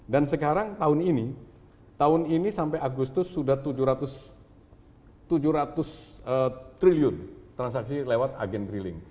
dan sekarang tahun ini tahun ini sampai agustus sudah tujuh ratus triliun transaksi lewat agen briling